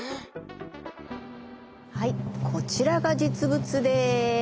はいこちらが実物です！